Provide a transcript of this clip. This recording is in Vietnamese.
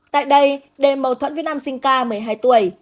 tại đây d mâu thuẫn với nam sinh k một mươi hai tuổi